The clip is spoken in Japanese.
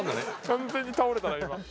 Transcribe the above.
完全に倒れたな今。